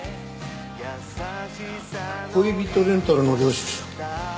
恋人レンタルの領収書。